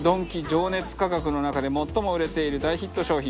情熱価格の中で最も売れている大ヒット商品。